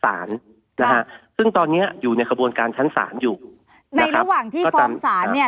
สารนะฮะซึ่งตอนเนี้ยอยู่ในกระบวนการชั้นสารอยู่นะครับในระหว่างที่ฟอร์มสารเนี้ย